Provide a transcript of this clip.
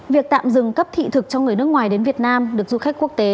việc tạm dừng cấp thị thực cho người nước ngoài đến việt nam được du khách quốc tế